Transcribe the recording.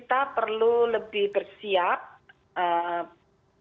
dan puncaknya di februari